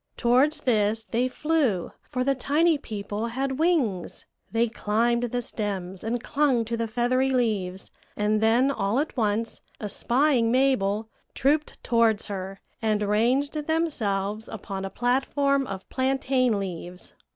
Towards this they flew, for the tiny people had wings; they climbed the stems and clung to the feathery leaves, and then all at once, espying Mabel, trooped towards her, and ranged themselves upon a platform of plantain leaves.